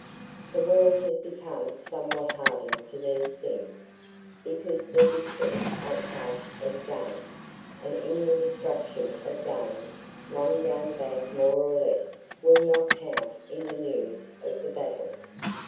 The world has become somewhat hardened to these things, because the victims are classed as game; and in the destruction of game, one game bag more or less "Will not count in the news of the battle."